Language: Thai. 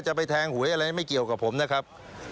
จะไปแทงหวยอะไรไม่เกี่ยวกับผมนะครับ